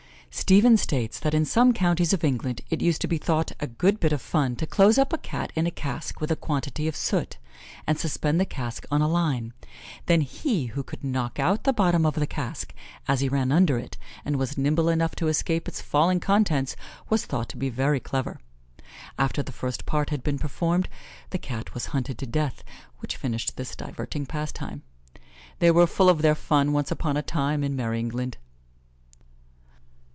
Stevens states, that in some counties of England, it used to be thought a good bit of fun to close up a Cat in a cask with a quantity of soot, and suspend the cask on a line; then he who could knock out the bottom of the cask as he ran under it, and was nimble enough to escape its falling contents, was thought to be very clever. After the first part had been performed, the Cat was hunted to death, which finished this diverting pastime. They were full of their fun, once upon a time, in merrie England.